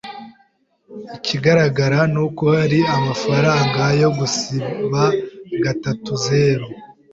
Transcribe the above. Ikigaragara nuko hari amafaranga yo gusiba gatatuzeru%.